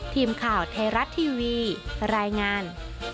ทีมข่าวไทยรัฐทีวีรายงาน